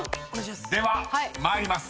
［では参ります。